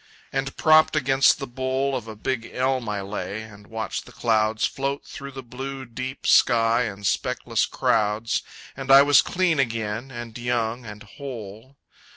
and propped against the bole Of a big elm I lay, and watched the clouds Float through the blue, deep sky in speckless crowds, And I was clean again, and young, and whole.